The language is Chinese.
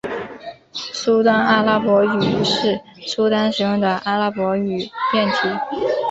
苏丹阿拉伯语是苏丹使用的阿拉伯语变体。